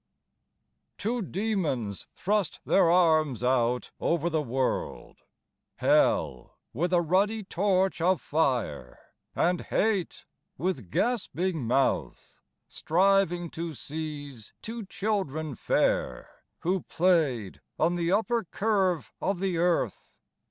Two demons thrust their arms out over the world, Hell with a ruddy torch of fire, And Hate with gasping mouth, Striving to seize two children fair Who play'd on the upper curve of the Earth.